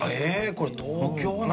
これ東京なんや」